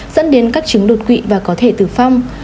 dẫn đến các chứng đột quỵ và có thể tử vong